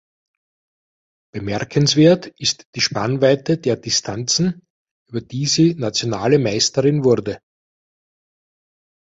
Bemerkenswert ist die Spannweite der Distanzen, über die sie nationale Meisterin wurde.